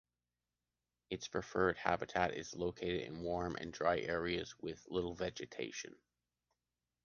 Its preferred habitat is located in warm and dry areas with little vegetation.